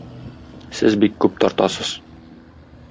Сез бик күп тартасыз.